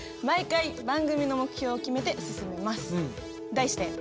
毎回番組の目標を決めて進めます。